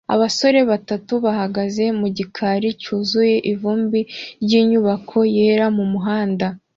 Abasore batatu bahagaze mu gikari cyuzuye ivumbi ryinyubako yera mumahanga